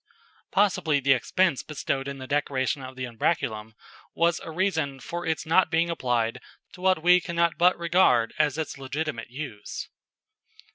Possibly the expense bestowed in the decoration of the umbraculum was a reason for its not being applied to what we cannot but regard as its legitimate use.